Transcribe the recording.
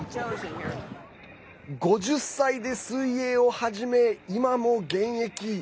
５０歳で水泳を始め、今も現役。